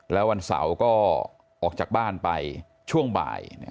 แล้ววันเสาร์ก็ออกจากบ้านไปช่วงบ่าย